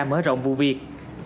mở rộng vụ việc